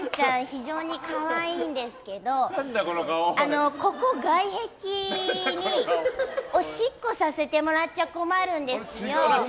非常に可愛いんですけどあの、この外壁におしっこさせてもらっちゃ困るんですよ。